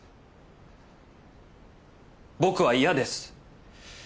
僕は嫌です。